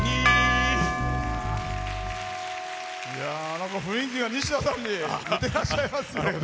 なんか雰囲気が西田さんに似てらっしゃいますね。